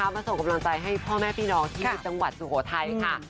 มาส่งกำลังใจให้พ่อแม่พี่น้องที่จังหวัดสุโขทัยค่ะ